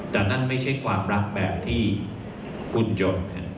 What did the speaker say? แต่นั่นไม่ใช่ความรักแบบที่คุณจบ